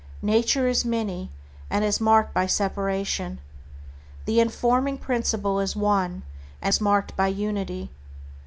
Nature is many, and is marked by separation. The informing Principle is One, and is marked by unity.